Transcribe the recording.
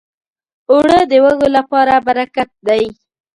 اوړه د وږو لپاره برکت دی